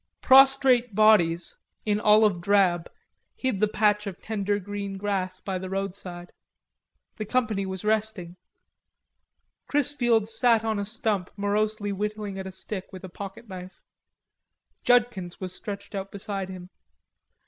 Prostrate bodies in olive drab hid the patch of tender green grass by the roadside. The company was resting. Chrisfield sat on a stump morosely whittling at a stick with a pocket knife. Judkins was stretched out beside him.